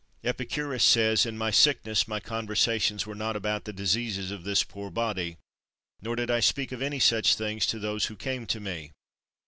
41. Epicurus says: "In my sickness my conversations were not about the diseases of this poor body; nor did I speak of any such things to those who came to me.